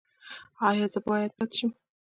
ایا زه باید بد شم؟